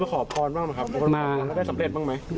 พี่โค้กเตรียมกว่าที่ได้สำเร็จบ้างไหม